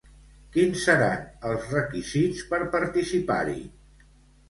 Quins seran els requisits per participar-hi?